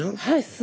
はい。